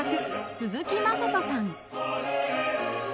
鈴木優人さん